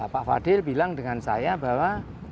pak fadil bilang dengan saya bahwa